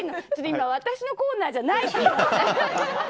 今、私のコーナーじゃないから。